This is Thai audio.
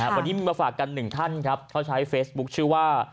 วันนี้มาฝากกันหนึ่งท่านครับเขาใช้เฟซบุ๊คชื่อว่า